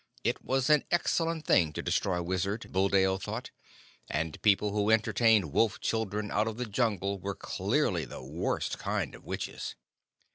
It was an excellent thing to destroy wizards, Buldeo thought; and people who entertained Wolf children out of the Jungle were clearly the worst kind of witches.